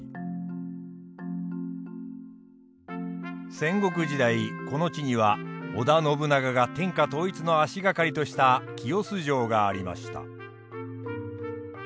戦国時代この地には織田信長が天下統一の足掛かりとした清洲城がありました。